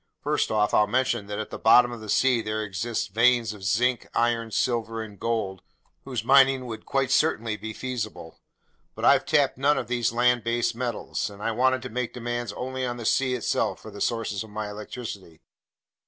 "First off, I'll mention that at the bottom of the sea there exist veins of zinc, iron, silver, and gold whose mining would quite certainly be feasible. But I've tapped none of these land based metals, and I wanted to make demands only on the sea itself for the sources of my electricity."